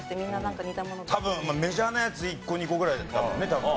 多分メジャーなやつ１個２個ぐらいだもんね多分。